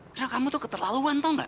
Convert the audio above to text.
aurel kamu tuh keterlaluan tau gak